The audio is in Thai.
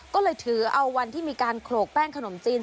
ก็เลยถือเอาวันที่มีการโขลกแป้งขนมจีน